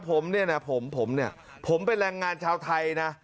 ผมเนี่ยนะผมผมเนี่ยผมเป็นแรงงานชาวไทยนะ